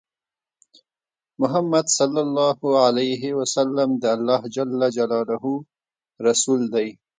محمد صلی الله عليه وسلم د الله جل جلاله رسول دی۔